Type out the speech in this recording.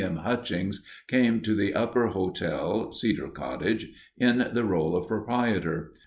M. Hutchings came to the Upper Hotel (Cedar Cottage) in the role of proprietor.